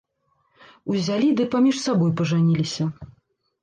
Узялі ды паміж сабой пажаніліся.